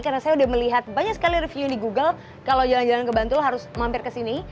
karena saya udah melihat banyak sekali review di google kalau jalan jalan ke bantul harus mampir ke sini